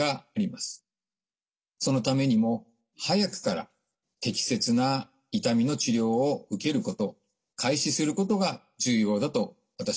そのためにも早くから適切な痛みの治療を受けること開始することが重要だと私は感じています。